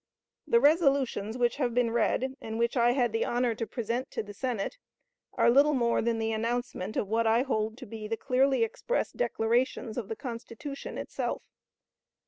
The resolutions which have been read, and which I had the honor to present to the Senate, are little more than the announcement of what I hold to be the clearly expressed declarations of the Constitution itself.